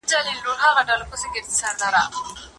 ښوونکی باید د خپلواک فکر ملاتړ وکړي.